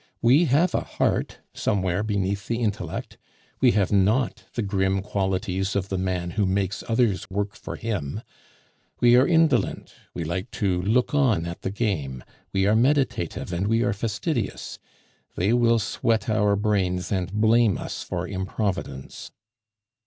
We have a heart somewhere beneath the intellect; we have NOT the grim qualities of the man who makes others work for him. We are indolent, we like to look on at the game, we are meditative, and we are fastidious; they will sweat our brains and blame us for improvidence."